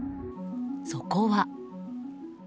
そこは。